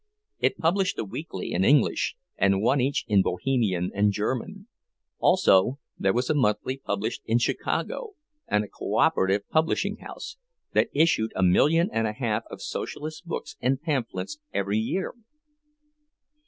It published a weekly in English, and one each in Bohemian and German; also there was a monthly published in Chicago, and a cooperative publishing house, that issued a million and a half of Socialist books and pamphlets every year.